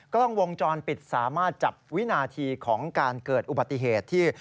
กล้องวงจรปิดสามารถจับวินาทีของการเกิดอุบัติเหตุที่